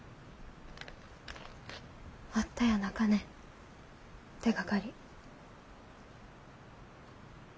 あったやなかね手がかり。